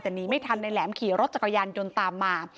แต่หนีไม่ทันนายแหลมขี่รถจักรยานยนต์ตามมา